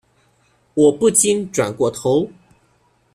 我不禁转过头